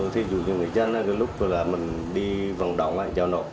thí dụ như người dân lúc mình đi vận động là giao nộp